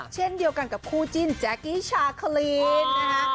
เช่นเดียวกันกับคู่จิ้นแจ๊กกี้ชาคลีนนะคะ